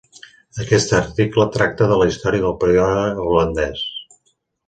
Aquest article tracta de la història del període holandès.